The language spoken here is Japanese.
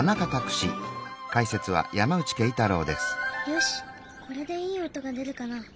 よしこれでいい音が出るかな？